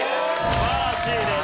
素晴らしいです。